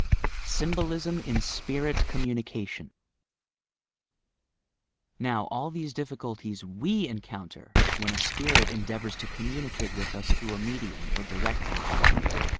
SYHBOUSM IN SPIRIT COMMUNICATION Now, all these difficulties we encounter when a spirit endeavours to communicate with us through a medium, or directly.